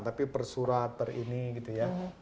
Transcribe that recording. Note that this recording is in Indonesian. tapi per surat per ini gitu ya